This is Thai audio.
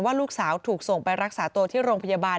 ลูกสาวถูกส่งไปรักษาตัวที่โรงพยาบาล